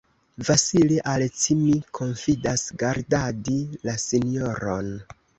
Vasili, al ci mi konfidas gardadi la sinjoron.